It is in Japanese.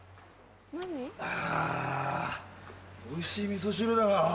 あおいしい味噌汁だな。